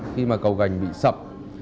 khi mà cầu gành bị sập